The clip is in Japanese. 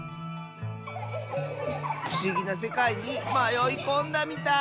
ふしぎなせかいにまよいこんだみたい！